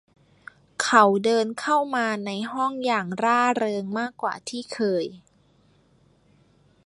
เขาเดินเข้ามาในห้องอย่างร่าเริงมากกว่าที่เคย